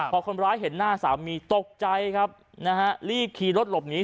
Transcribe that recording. พอคนร้ายเห็นหน้าสามีตกใจครับนะฮะรีบขี่รถหลบหนี